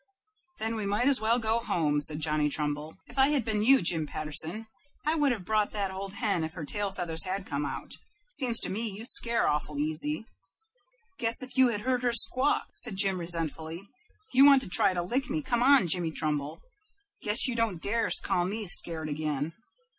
"Then we might as well go home," said Johnny Trumbull. "If I had been you, Jim Patterson, I would have brought that old hen if her tail feathers had come out. Seems to me you scare awful easy." "Guess if you had heard her squawk!" said Jim, resentfully. "If you want to try to lick me, come on, Johnny Trumbull. Guess you don't darse call me scared again."